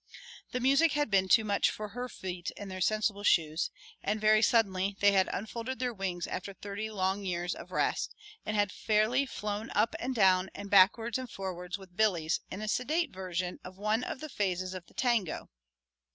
The music had been too much for her feet in their sensible shoes, and very suddenly they had unfolded their wings after thirty long years of rest and had fairly flown up and down and backwards and forwards with Billy's in a sedate version of one of the phases of the tango.